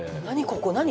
ここ何？